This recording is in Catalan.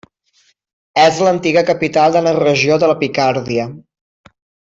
És l'antiga capital de la regió de la Picardia.